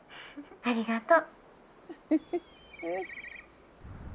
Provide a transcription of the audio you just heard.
ありがとう。